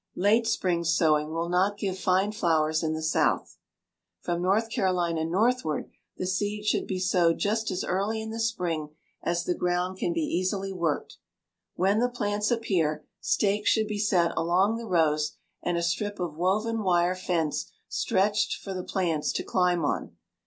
Late spring sowing will not give fine flowers in the South. From North Carolina northward the seeds should be sowed just as early in the spring as the ground can be easily worked. When the plants appear, stakes should be set along the rows and a strip of woven wire fence stretched for the plants to climb on.